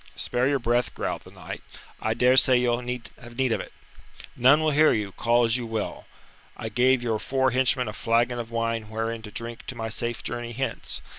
"Spare your breath," growled the knight. "I dare swear you'll have need of it. None will hear you, call as you will. I gave your four henchmen a flagon of wine wherein to drink to my safe journey hence.